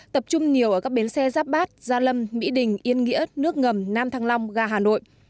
tập trung nhiều ở các bến xe giáp bát gia lâm mỹ đình yên nghĩa nước ngầm nam thăng long ga hà nội